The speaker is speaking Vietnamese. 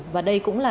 và đây cũng là